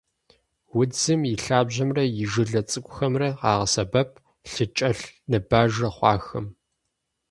Удзым и лъабжьэмрэ и жылэ цӏыкӏухэмрэ къагъэсэбэп лъыкӏэлъныбажэ хъуахэм.